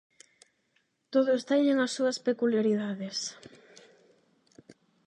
Todos teñen as súas peculiaridades.